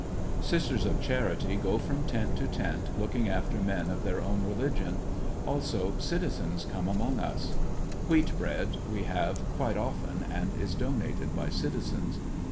Sisters of Charity go from tent to tent looking after men of their own relig ion; also citizens come among us Wheat bread we have quite often and is donated by citizens.